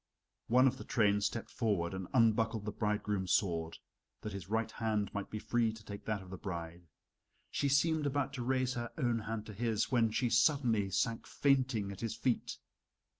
One of the train stepped forward and unbuckled the bridegroom's sword, that his right hand might be free to take that of the bride. She seemed about to raise her own hand to his, when she suddenly sank fainting at his feet.